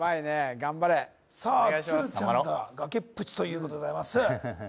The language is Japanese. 頑張れさあ鶴ちゃんが頑張ろう崖っぷちということでございます